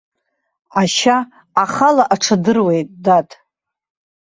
Ашьа ахала аҽадыруеит, дад.